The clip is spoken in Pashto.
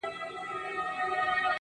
o زه د تورسترگو سره دغسي سپين سترگی يمه.